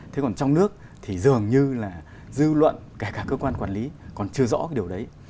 thế còn trong nước thì dường như là dư luận kể cả cơ quan quản lý còn chưa rõ cái điều đấy